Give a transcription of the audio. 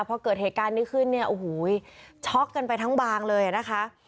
พอเกิดเหตุการณ์นี้ขึ้นเนี่ยโอ้โหช็อกกันไปทั้งบางเลยนะคะ